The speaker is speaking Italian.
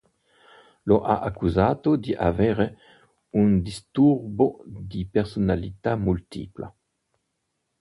Lo ha accusato di avere un "disturbo di personalità multipla".